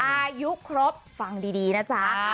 อายุครบฟังดีนะจ๊ะ